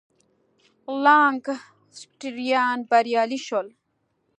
لانکسټریان بریالي شول.